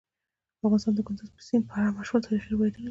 افغانستان د کندز سیند په اړه مشهور تاریخی روایتونه لري.